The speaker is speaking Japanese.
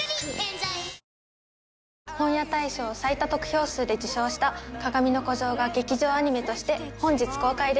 本屋大賞を最多得票数で受賞した『かがみの孤城』が劇場アニメとして本日公開です。